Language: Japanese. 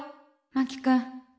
真木君。